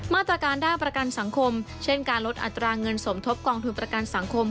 มาตรการด้านประกันสังคมเช่นการลดอัตราเงินสมทบกองทุนประกันสังคม